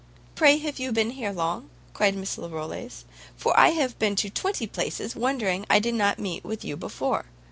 "Pray, have you been here long?" cried Miss Larolles, "for I have been to twenty places, wondering I did not meet with you before.